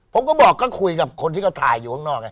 ผมก็บอกก็คุยกับคนที่เขาถ่ายอยู่ข้างนอก